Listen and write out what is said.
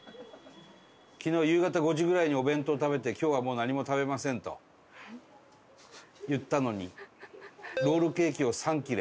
昨日夕方５時ぐらいにお弁当を食べて「今日はもう何も食べません」と言ったのにロールケーキを３切れ。